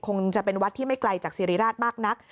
คงจะเป็นวัดที่ไม่ไกลจากสิริราชมากนัก